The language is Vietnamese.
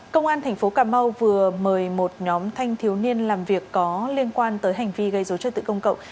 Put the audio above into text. công an tp cà mau vừa mời một nhóm thanh thiếu niên làm việc có liên quan tới hành vi gây dối trật tự công cộng